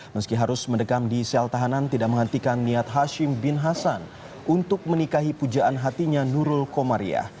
meski harus mendekam di sel tahanan tidak menghentikan niat hashim bin hasan untuk menikahi pujaan hatinya nurul komariah